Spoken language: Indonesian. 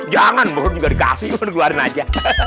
jangan burung juga dikasih keluarin aja